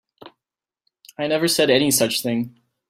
I never said any such thing.